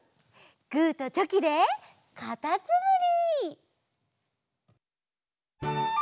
グーとチョキでかたつむり！